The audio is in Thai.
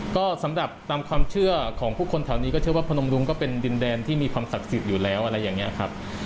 ก็สำหรับตามความเชื่อของผู้คนแถวนี้ก็เชื่อว่าพนมรุงก็เป็นดินแดนที่มีความศักดิ์สิทธิ์อยู่แล้วอะไรอย่างนี้ครับ